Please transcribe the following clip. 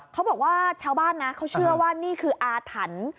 ชาวบ้านนะเขาเชื่อว่านี่คืออาถรรพ์